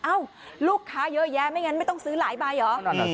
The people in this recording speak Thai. ลูกค้าเยอะแยะไม่งั้นไม่ต้องซื้อหลายใบเหรอ